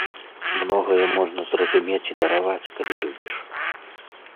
Многае можна зразумець і дараваць, калі любіш.